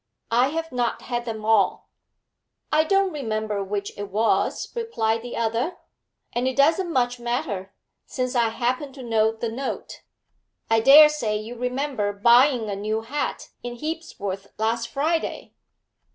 'I have not had them all.' 'I don't remember which it was,' replied the other, 'and it doesn't much matter, since I happen to know the note. I dare say you remember buying a new hat in Hebsworth last Friday?'